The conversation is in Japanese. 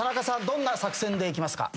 どんな作戦でいきますか？